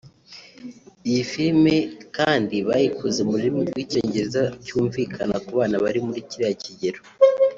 Iyi filime kandi bayikoze mu rurimi rw’icyongereza cyumvikana ku bana bari muri kiriya kigero